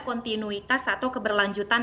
kontinuitas atau keberlanjutan